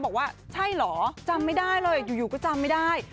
บอกว่าใช่เหรอจำไม่ได้เลยอยู่ก็จำไม่ได้